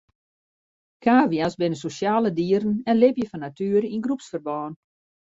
Kavia's binne sosjale dieren en libje fan natuere yn groepsferbân.